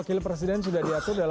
belum jelas belum jelas kan